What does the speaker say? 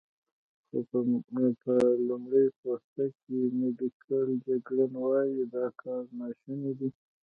خو په لمړی پوسته کې، میډیکل جګړن وايي، دا کار ناشونی دی.